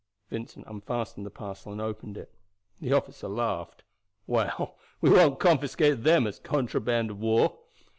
Vincent unfastened the parcel and opened it. The officer laughed. "Well, we won't confiscate them as contraband of war."